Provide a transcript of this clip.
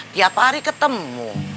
tiap hari ketemu